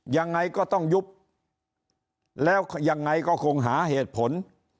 ยังไงก็ต้องยุบแล้วยังไงก็คงหาเหตุผล